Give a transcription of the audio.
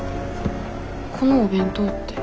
このお弁当って？